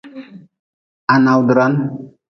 Ha nawdran.